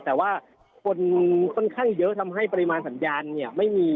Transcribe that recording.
แต่ว่าคนค่อนข้างเยอะทำให้ปริมาณสัญญาณเนี่ยไม่มี